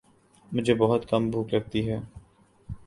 مجھے بہت کم بھوک لگتی ہے